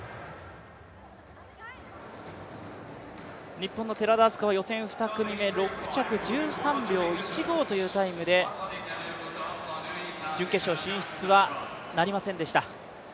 日本の寺田明日香は予選２組目、１３秒１５というタイムで準決勝進出はなりませんでした。